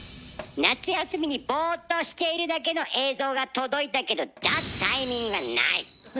夏休みにボーっとしているだけの映像が届いたけど出すタイミングがない。